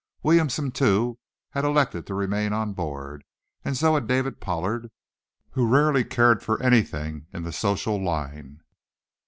Williamson, too, had elected to remain on board, and so had David Pollard, who rarely cared for anything in the social line.